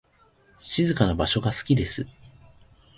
静かな場所が好きです。